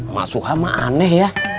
mas suha mah aneh ya